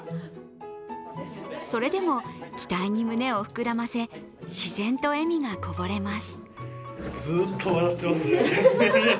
それでも期待に胸を膨らませ自然と笑みがこぼれます。